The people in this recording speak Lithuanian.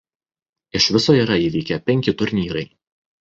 Iš viso yra įvykę penki turnyrai.